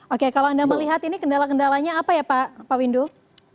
oke kalau anda melihat ini kendala kendalanya apa ya pak windu